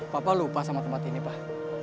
papa lupa sama tempat ini pak